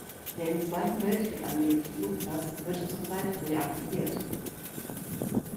Der im Zweiten Weltkrieg angelegte Flugplatz wird zurzeit reaktiviert.